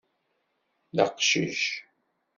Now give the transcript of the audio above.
D aqcic.